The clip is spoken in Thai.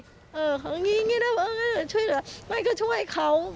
เออเอาอย่างงี้อย่างงี้แล้วเออช่วยเหรอมายก็ช่วยเขา